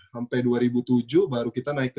sampai dua ribu tujuh baru kita naik ke